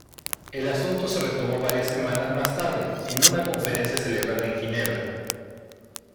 El asunto se retomó varias semanas más tarde, en una conferencia celebrada en Ginebra.